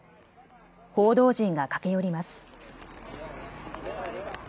報道陣が駆け寄ります。